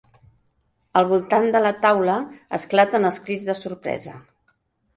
Al voltant de la taula esclaten els crits de sorpresa.